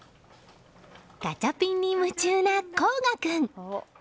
ガチャピンに夢中な琥雅君。